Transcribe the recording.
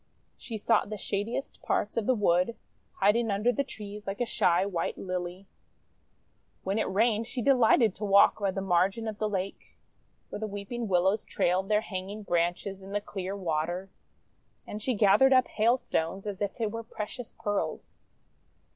She sought the shadiest parts of the wood, hiding under the trees like a shy white Lily. When it rained she delighted to walk by the margin of the 300 THE WONDER GARDEN lake where the Weeping Willows trailed their hang ing branches in the clear water, and she gathered up Hailstones as if they were precious Pearls.